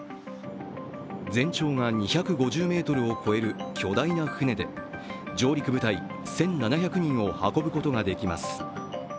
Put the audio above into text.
全長が２５０ｍを超える巨大な船で上陸部隊１７００人を運ぶことができます。